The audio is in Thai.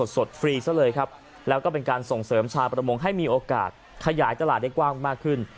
ฟรีซะเลยครับแล้วก็เป็นการส่งเสริมชาวประมงให้มีโอกาสขยายตลาดได้กว้างมากขึ้น